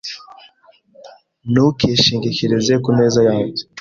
Ntukishingikirize ku meza yanjye .